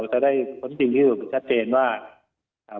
จะได้เท่านั้นการต้นแยน